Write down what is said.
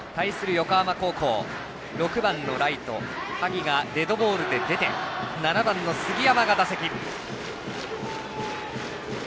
横浜高校、６番のライト萩がデッドボールで出て７番の杉山が打席。